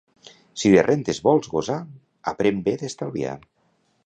Si de rendes vols «gosar», aprèn bé d'estalviar.